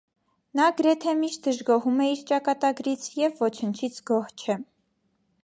Նա գրեթե միշտ դժգոհում է իր ճակատագրից և ոչնչից գոհ չէ։